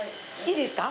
いいですか？